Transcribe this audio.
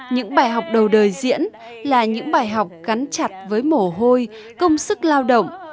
những bài học đầu đời diễn là những bài học gắn chặt với mồ hôi công sức lao động